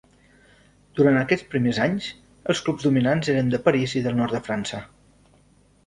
Durant aquests primers anys els clubs dominants eren de París i del nord de França.